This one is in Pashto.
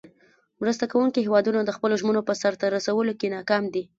مرسته کوونکې هیوادونه د خپلو ژمنو په سر ته رسولو کې ناکام دي.